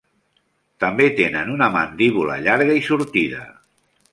També tenen una mandíbula llarga i sortida.